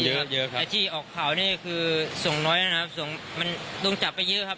เยอะครับไอ้ที่ออกข่าวนี่คือส่งน้อยนะครับส่งมันโดนจับไปเยอะครับ